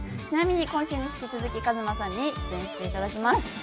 ちなみに今週に引き続きＫＡＭＡさんに出演していただきます。